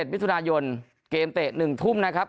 มิถุนายนเกมเตะ๑ทุ่มนะครับ